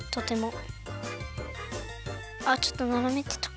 あっちょっとななめってた。